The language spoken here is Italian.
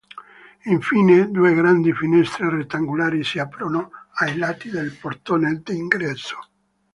Infine due grandi finestre rettangolari si aprono ai lati del portone d'ingresso.